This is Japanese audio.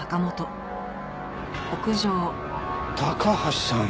高橋さん